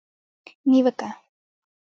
نیوکه